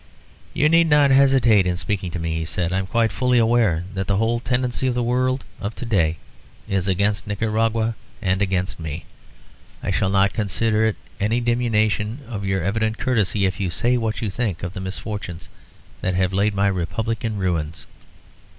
"You need not hesitate in speaking to me," he said. "I'm quite fully aware that the whole tendency of the world of to day is against Nicaragua and against me. I shall not consider it any diminution of your evident courtesy if you say what you think of the misfortunes that have laid my republic in ruins."